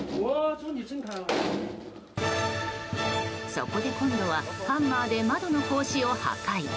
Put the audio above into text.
そこで、今度はハンマーで窓の格子を破壊。